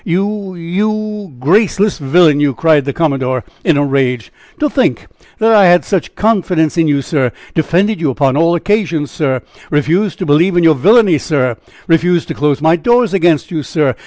"You you you graceless villain, you," cried the commodore in a rage "to think that I had such confidence in you, sir; defended you upon all occasions, sir; refused to believe in your villainy, sir; refused to close my doors against you, sir.